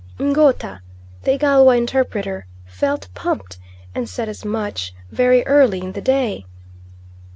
Ngouta, the Igalwa interpreter, felt pumped, and said as much, very early in the day.